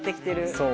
そう。